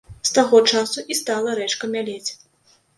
З таго часу і стала рэчка мялець.